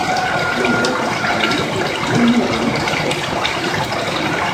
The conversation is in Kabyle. Yuba akked Tiziri la ttezmumugen.